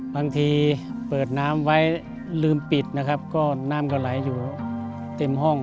บางทีเปิดน้ำไว้ลืมปิดนะครับก็น้ำก็ไหลอยู่เต็มห้อง